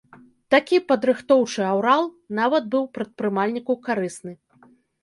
Такі падрыхтоўчы аўрал нават быў прадпрымальніку карысны.